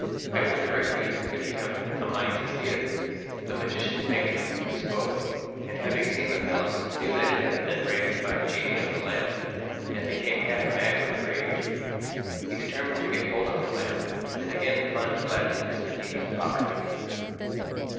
I will direct you if you have a mind to see it." The magician thanked him who spoke, and having seen the palace knew that it had been raised by the genie of the lamp, and became half mad with rage. He determined to get hold of the lamp, and again plunge Aladdin into the deepest poverty.